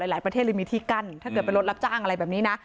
หลายประเทศเลยมีที่กั้นถ้าเกิดเป็นรถรับจ้างอะไรแบบนี้นะ